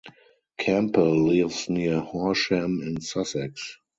Campbell lives near Horsham in Sussex.